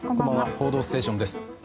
「報道ステーション」です。